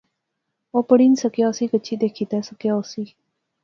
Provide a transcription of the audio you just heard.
او پڑھی نی سکیا ہوسی گچھی دیکھی نہ سکیا ہوسی